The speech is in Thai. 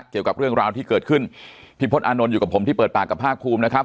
เกี่ยวกับเรื่องราวที่เกิดขึ้นพี่พศอานนท์อยู่กับผมที่เปิดปากกับภาคภูมินะครับ